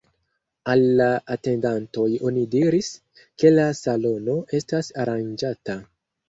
Al la atendantoj oni diris, ke la salono estas aranĝata.